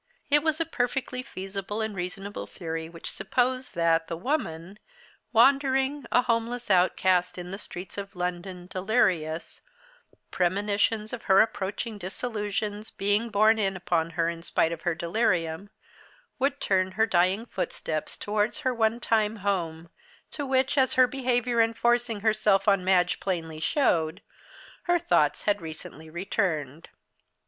It was a perfectly feasible and reasonable theory which supposed that the woman, wandering, a homeless outcast, in the streets of London, delirious, premonitions of her approaching dissolution being borne in upon her in spite of her delirium, would turn her dying footsteps towards her one time home, to which, as her behaviour in forcing herself on Madge plainly showed, her thoughts had recently returned.